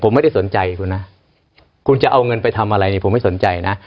ผมไม่ได้สนใจคุณนะคุณจะเอาเงินไปทำอะไรเนี่ยผมไม่สนใจนะ